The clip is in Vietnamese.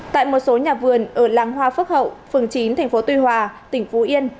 tại một số nhà vườn ở làng hoa phước hậu phường chín thành phố tuy hòa tỉnh phú yên